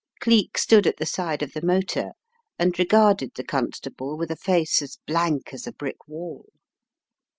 Cleek stood at the side of the motor, and regarded the Constable with a face as blank as a brick wall.